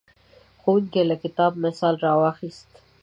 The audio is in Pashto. ښوونکی له کتاب مثال راواخیست.